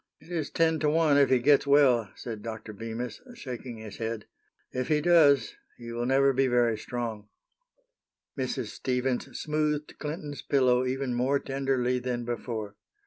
"It is ten to one if he gets well," said Dr. Bemis, shaking his head. "If he does, he will never be very strong." Mrs. Stevens smoothed Clinton's pillow even more tenderly than before.